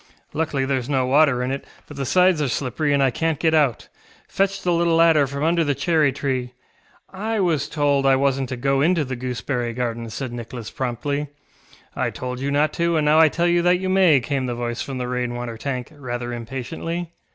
Luckily thereŌĆÖs no water in it, but the sides are slippery and I canŌĆÖt get out. Fetch the little ladder from under the cherry treeŌĆöŌĆØ ŌĆ£I was told I wasnŌĆÖt to go into the gooseberry garden, ŌĆØ said Nicholas promptly. ŌĆ£I told you not to, and now I tell you that you may, ŌĆØ came the voice from the rain water tank, rather impatiently.